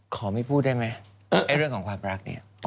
ขอไม่พูดได้ไหมไอ้เรื่องของขวัญประอักเนี่ย